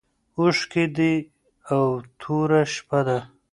اوښکي دي او توره شپه ده